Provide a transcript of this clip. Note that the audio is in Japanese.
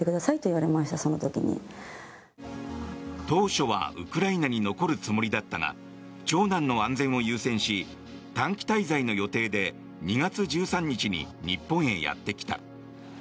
当初はウクライナに残るつもりだったが長男の安全を優先し短期滞在の予定で２月１３日に日本へやってきた。